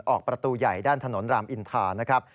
ออกประตูใหญ่ด้านถนนรามอินทานะครับ